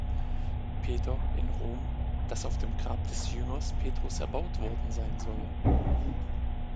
Peter in Rom, das auf dem Grab des Jüngers Petrus erbaut worden sein soll.